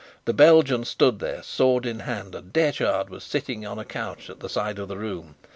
The Belgian stood there sword in hand, and Detchard was sitting on a couch at the side of the room.